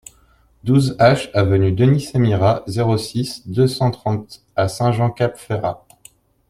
douze H avenue Denis Semeria, zéro six, deux cent trente à Saint-Jean-Cap-Ferrat